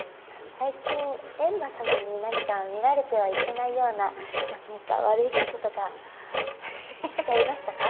最近閻魔様に何か見られてはいけないような悪いこととかしちゃいましたか？